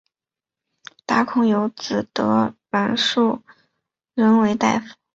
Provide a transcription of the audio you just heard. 孔达有子得闾叔榖仍为大夫。